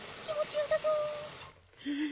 気もちよさそう。